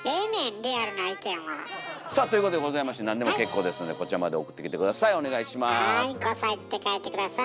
リアルな意見は。ということでございましてなんでも結構ですのでこちらまで送ってきて下さい。